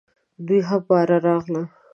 دوی هم باره راغله .